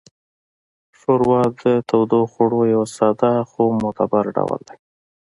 ښوروا د تودوخوړو یو ساده خو معتبر ډول دی.